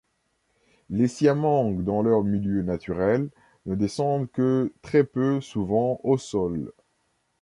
Les siamangs, dans leur milieu naturel, ne descendent que très peu souvent au sol.